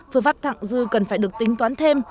phương pháp thẳng dư cần phải được tính toán thêm